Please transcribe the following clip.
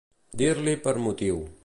Dir-l'hi per motiu.